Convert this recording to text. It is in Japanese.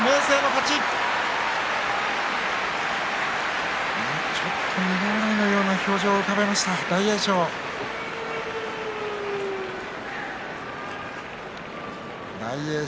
ちょっと苦笑いのような表情を浮かべました、大栄翔。